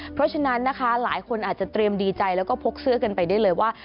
เพราะฉะนั้นนะคะหลายคนอาจจะเตรียมดีใจแล้วก็พกเสื้อกันไปได้เลยว่า